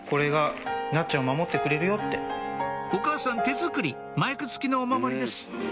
お母さん手作りマイク付きのおまもりです